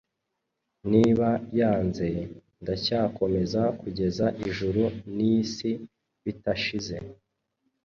Niba yanze, ndacyakomeza kugeza Ijuru n'isi bitashize,